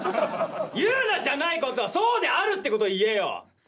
言うなじゃないことそうであるってことを言えよ。